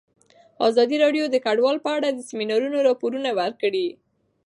ازادي راډیو د کډوال په اړه د سیمینارونو راپورونه ورکړي.